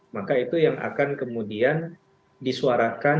maka itu yang akan kemudian disuarakan